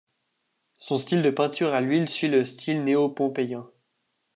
Son style de peinture à l'huile suit le style néo-pompéien.